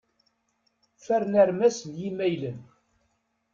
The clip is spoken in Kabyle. Fern armas n yimaylen.